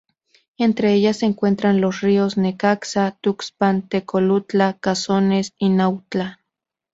Entre ellas se encuentran los ríos Necaxa, Tuxpan, Tecolutla, Cazones y Nautla.